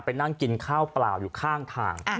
นั่งกินข้าวเปล่าอยู่ข้างทาง